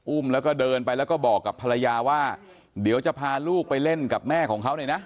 อุ้มแล้วก็เดินไปแล้วก็บอกกับภรรยาว่าเดี๋ยวจะพาลูกไปเล่นกับแม่ของเขาหน่อยนะ